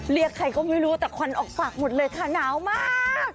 เรียกใครก็ไม่รู้แต่ควันออกฝากหมดเลยค่ะหนาวมาก